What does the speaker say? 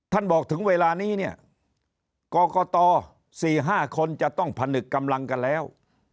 บอกถึงเวลานี้เนี่ยกรกต๔๕คนจะต้องผนึกกำลังกันแล้ว